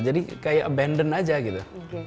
jadi kayak abandon aja gitu